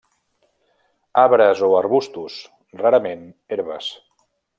Arbres o arbustos, rarament herbes.